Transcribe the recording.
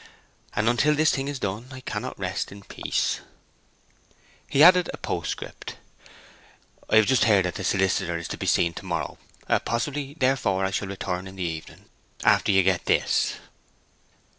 And until this thing is done I cannot rest in peace." He added a postscript: "I have just heard that the solicitor is to be seen to morrow. Possibly, therefore, I shall return in the evening after you get this."